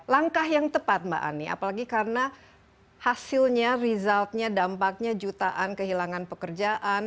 langkah yang tepat mbak ani apalagi karena hasilnya resultnya dampaknya jutaan kehilangan pekerjaan